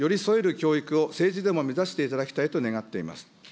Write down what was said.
教育を政治でも目指していただきたいと願っています。